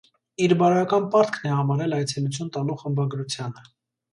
իր բարոյական պարտքն է համարել այցելություն տալու խմբագրությանը: